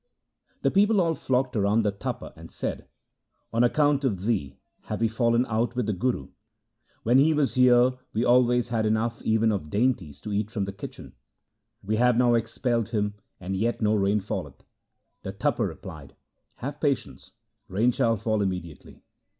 1 The people all flocked around the Tapa, and said, ' On account of thee have we fallen out with the Guru. When he was here, we always had enough even of dainties to eat from his kitchen. We have now expelled him, and yet no rain falleth.' The Tapa replied, ' Have patience ; rain shall fall immediately.'